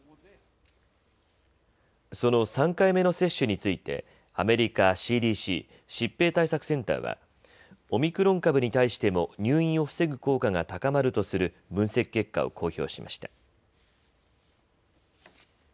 その３回目の接種についてアメリカＣＤＣ・疾病対策センターはオミクロン株に対しても入院を防ぐ効果が高まるとする分析結果を公表しました。